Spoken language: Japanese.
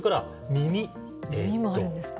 耳もあるんですか。